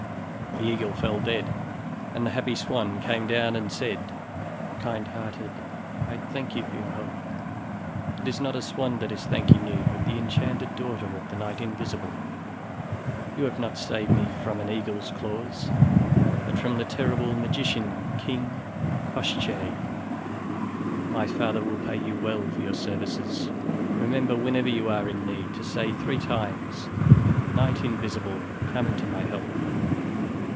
The eagle fell dead, and the happy swan came down and said: "Prince Kindhearted, I thank you for your help. It is not a swan that is thanking you, but the enchanted daughter of the Knight Invisible. You have not saved me from an eagle's claws, but from the terrible magician King Koshchey. My father will pay you well for your services. Remember whenever you are in need, to say three times: 'Knight Invisible, come to my help!'"